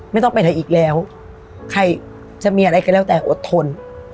ไม่ต้องไปไหนอีกแล้วใครจะมีอะไรก็แล้วแต่อดทน